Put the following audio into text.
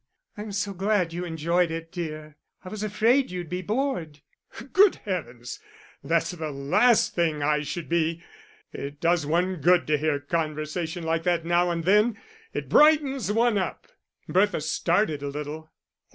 "I'm so glad you enjoyed it, dear; I was afraid you'd be bored." "Good heavens, that's the last thing I should be. It does one good to hear conversation like that now and then it brightens one up." Bertha started a little.